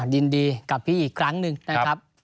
ยินดีกับพี่อีกครั้งหนึ่งนะครับ